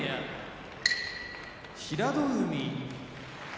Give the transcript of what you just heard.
平戸海